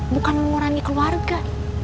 bukan mengurangi keluarga